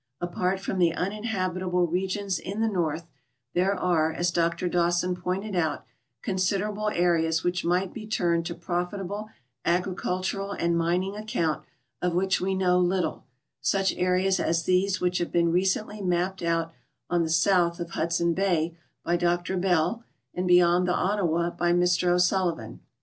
Apart from tbe uninhabit able regions in the north, there are, as Dr Dawson pointed out, considerable areas which niigbt be turned to profitable agrieult ural and mining account of which we know little, such areas as these which have been recently mapi)ed out on tbe south oi ilnd 260 THE UNMAPPED AREAS ON THE EARTH'S SURFACE son bay b}' Dr Bell and beyond the Ottawa by Mr O'Sullivan.